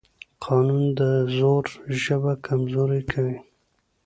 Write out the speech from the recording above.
قانون د زور ژبه کمزورې کوي